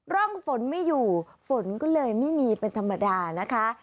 ร่องฝนไม่อยู่ฝนก็เลยไม่มีเป็นธรรมดานะคะ